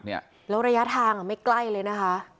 แล้วระยะทางไม่ใกล้เลยนะคะ